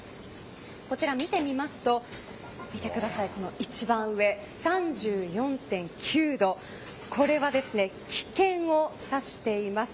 こちら見てみますと見てください一番上３４．９度これは危険を指しています。